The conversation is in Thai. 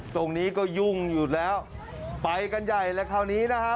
ตรงนี้ก็ยุ่งอยู่แล้วไปกันใหญ่แล้วคราวนี้นะฮะ